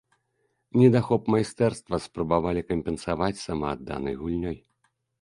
Недахоп майстэрства спрабавалі кампенсаваць самаадданай гульнёй.